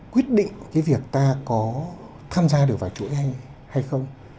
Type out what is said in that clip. quyết định cái việc ta có tham gia được vào chuỗi anh hay không